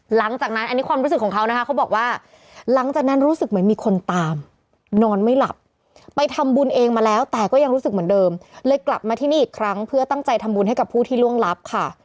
หลังจากนั้นอันนี้ความรู้สึกของเขานะคะเขาบอกว่าหลังจากนั้นรู้สึกเหมือนมีคนตามนอนไม่หลับไปทำบุญเองมาแล้วแต่ก็ยังรู้สึกเหมือนเดิมเลยกลับมาที่นี่อีกครั้งเพื่อตั้งใจทำบุญให้กับผู้ที่ล่วงลับค่ะ